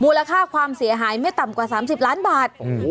มูลค่าความเสียหายไม่ต่ำกว่าสามสิบล้านบาทโอ้โห